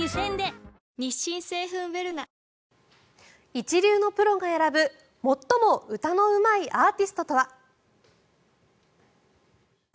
一流のプロが選ぶ最も歌のうまいアーティストとは？